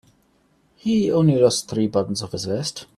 He only lost three buttons off his vest.